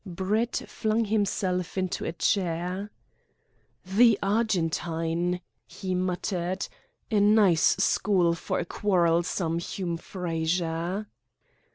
Brett flung himself into a chair. "The Argentine!" he muttered. "A nice school for a 'quarrelsome' Hume Frazer."